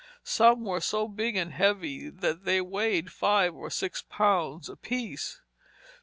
Some were so big and heavy that they weighed five or six pounds apiece.